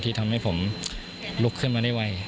ที่ทำให้ผมลุกขึ้นมาได้ไว